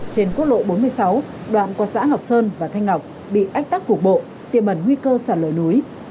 trên quốc lộ bốn mươi sáu đoạn qua xã ngọc sơn và thanh ngọc bị ách tắc cục bộ tiềm ẩn nguy cơ sản lợi núi